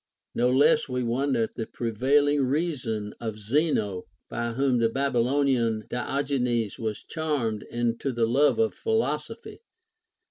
No less we wonder at the prevailing reason of Zeno, by whom the Babylonian Diogenes was charmed into the love of philoso phy.